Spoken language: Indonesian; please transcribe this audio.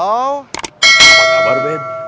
apa kabar ben